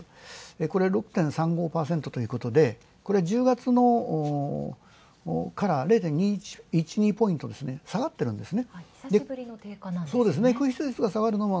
これ６．３５％ということで、１０月０．２１ポイント下がっているんですね。